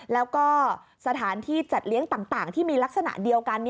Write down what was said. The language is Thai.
แล้วก็สถานที่จัดเลี้ยงต่างที่มีลักษณะเดียวกัน